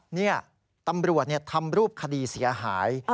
นี่ตำรวจทำรูปคดีเสียหาย